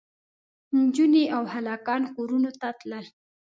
نجونې او هلکان کورونو ته تلل.